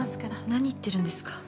何言ってるんですか？